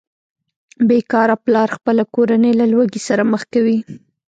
بې کاره پلار خپله کورنۍ له لوږې سره مخ کوي